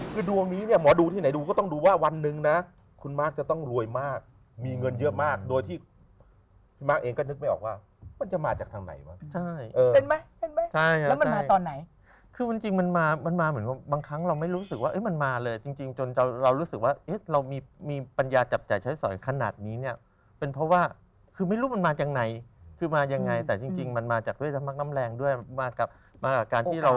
คือดวงนี้เนี่ยหมอดูที่ไหนดูก็ต้องดูว่าวันหนึ่งนะคุณมากจะต้องรวยมากมีเงินเยอะมากโดยที่มาเองก็นึกไม่ออกว่ามันจะมาจากทางไหนวะใช่เป็นไหมใช่แล้วมันมาตอนไหนคือมันจริงมันมามันมาเหมือนว่าบางครั้งเราไม่รู้สึกว่ามันมาเลยจริงจนเรารู้สึกว่าเรามีมีปัญญาจับจ่ายใช้สอยขนาดนี้เนี่ยเป็นเพราะว่าคือไม่ร